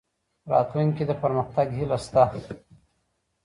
راتلونکې کې د پرمختګ هیله شته.